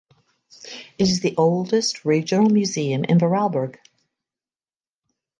It is the oldest regional museum in Vorarlberg.